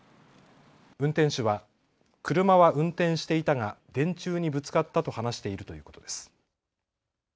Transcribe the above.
運転手は車は運転していたが電柱にぶつかったと話しているということです。